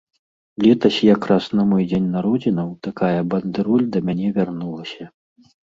Летась якраз на мой дзень народзінаў такая бандэроль да мяне вярнулася.